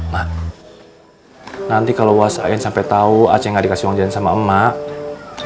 mak nanti kalau wasain sampai tau acing gak dikasih uang jajan sama emak